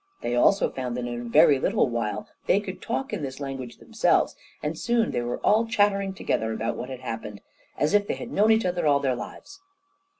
They also found that in a very little while they could talk in this language themselves, and soon they were all chattering together about what had happened, as if they had known each other all their lives.